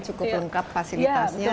cukup lengkap fasilitasnya